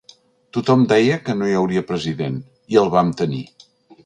Tothom deia que no hi hauria president i el vam tenir.